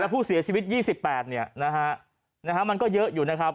ผู้เสียชีวิต๒๘มันก็เยอะอยู่นะครับ